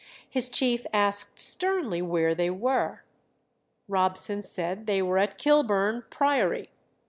His chief asked sternly where they were. Robson said they were at Kilburn Priory.